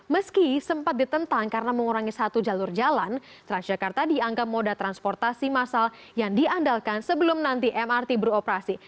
meski sempat ditentang karena mengurangi satu jalur jalan transjakarta dianggap moda transportasi masal yang diandalkan sebelum nanti mrt beroperasi